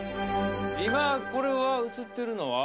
今これは映っているのは？